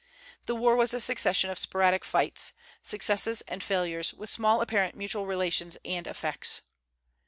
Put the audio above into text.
The war was a succession of sporadic fights, successes and failures, with small apparent mutual relations and effects."